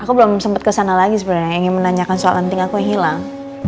aku belum sempet kesana lagi sebenernya ingin menanyakan soal anting aku yang hilang